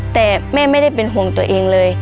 แต่แม่ไม่ได้เป็นห่วงตัวเองเลย